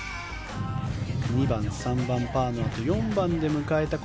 ２番、３番でパーのあと４番で迎えた